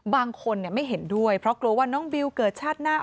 บางคนไม่เห็นด้วยเพราะกลัวว่าน้องบิวเกิดชาติหน้า